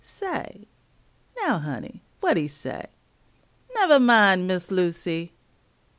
Say, now, honey, wha'd he say? Nevah min', Miss Lucy!